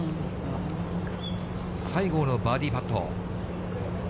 西郷のバーディーパット。